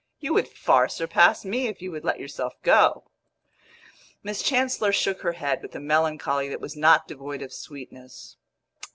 "You would far surpass me if you would let yourself go." Miss Chancellor shook her head with a melancholy that was not devoid of sweetness.